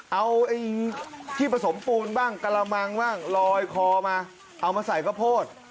เอาที่ผสมปูนบ้างกระมังบ้างลอยคอมาเอามาใส่ข้าวโพด